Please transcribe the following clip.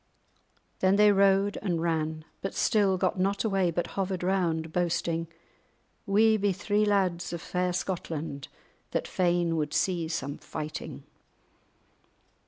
Then they rode and ran, but still got not away, but hovered round, boasting: "We be three lads of fair Scotland that fain would see some fighting."